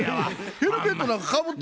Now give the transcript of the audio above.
ヘルメットなんかかぶってへんよ。